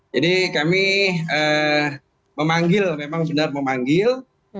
jadi kami memanggil memang benar memanggil